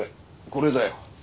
これだよ。